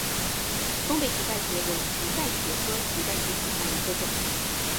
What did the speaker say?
东北蹄盖蕨为蹄盖蕨科蹄盖蕨属下的一个种。